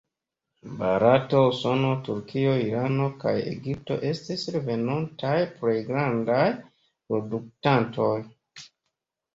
Barato, Usono, Turkio, Irano kaj Egipto estis la venontaj plej grandaj produktantoj.